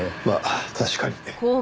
まあ確かに。